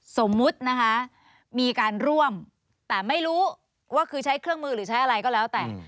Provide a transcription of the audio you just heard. สมมุตินะคะมีการร่วมแต่ไม่รู้ว่าคือใช้เครื่องมือหรือใช้อะไรก็แล้วแต่